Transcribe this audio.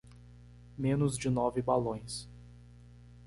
Menos de nove balões